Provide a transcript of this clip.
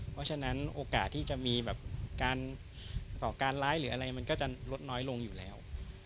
เพราะฉะนั้นโอกาสที่จะมีการก่อการร้ายหรืออะไรมันก็จะลดน้อยลงอยู่แล้ว